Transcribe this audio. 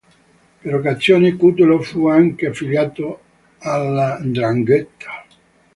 Per l'occasione Cutolo fu anche affiliato alla 'Ndrangheta.